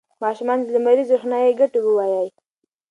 ماشومانو ته د لمریزې روښنايي ګټې ووایئ.